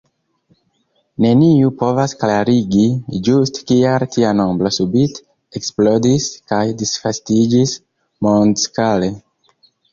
Neniu povas klarigi ĝuste kial tia nombro subite eksplodis kaj disvastiĝis mondskale.